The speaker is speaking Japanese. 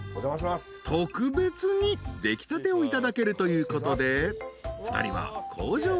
［特別に出来たてをいただけるということで２人は工場の中へ］